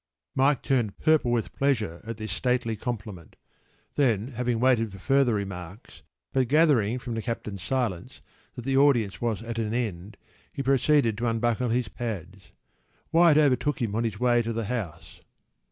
p> Mike turned purple with pleasure at this stately compliment.  Then, having waited for further remarks, but gathering from the captain’s silence that the audience was at an end, he proceeded to unbuckle his pads.  Wyatt overtook him on his way to the house.